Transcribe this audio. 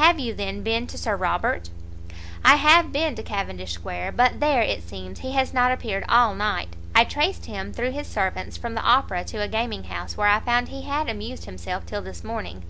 "Have you, then, been to Sir Robert?" "I have been to Cavendish Square, but there, it seems, he has not appeared all night; I traced him, through his servants, from the Opera to a gaminghouse, where I found he had amused himself till this morning."